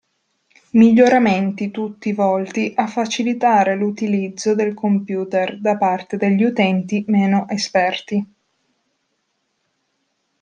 Miglioramenti tutti volti a facilitare l'utilizzo del computer da parte degli utenti meno esperti.